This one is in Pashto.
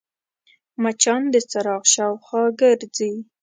مچان د څراغ شاوخوا ګرځي